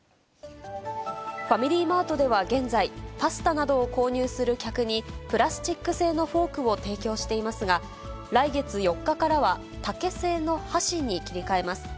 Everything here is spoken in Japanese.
ファミリーマートでは現在、パスタなどを購入する客に、プラスチック製のフォークを提供していますが、来月４日からは、竹製の箸に切り替えます。